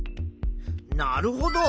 なるほど。